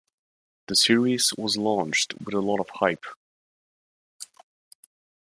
The series was launched with a lot of hype.